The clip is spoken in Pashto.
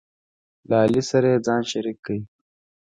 له علي سره یې ځان شریک کړ،